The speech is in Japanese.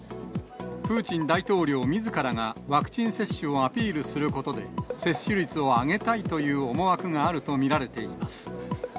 プーチン大統領みずからがワクチン接種をアピールすることで、接種率を上げたいという思惑があると見られています。